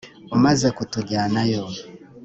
umaze kutujyanayo